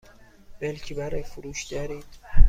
ملکی برای فروش دارید؟